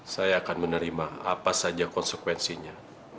saya akan menerima apa saja konsekuensinya